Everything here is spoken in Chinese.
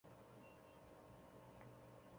滇南狸尾豆为豆科狸尾豆属下的一个种。